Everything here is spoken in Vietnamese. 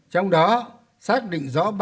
trong đó xác định rõ